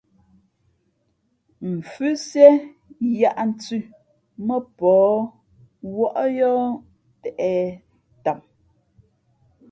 Pαfhʉ́siē yǎʼnthʉ̄ mά pαh wᾱʼ yǒh těʼ tam.